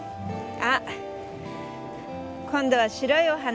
あっ今度は白いお花。